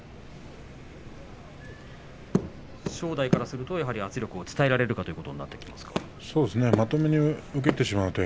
正代からすると、圧力を伝えられるかということでしょうか。